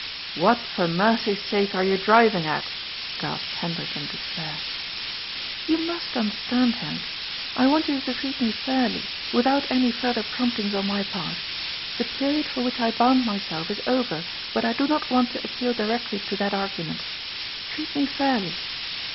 "What, for mercy's sake, are you driving at?" gasped Hendrik in despair. " You must understand, Henk. I want you to treat me fairly, without any further promptings on my part. The period for which I bound myself is over, but I do not want to appeal directly to that argument. Treat me fairly.